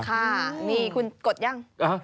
ค่ะนี่คุณกดยัง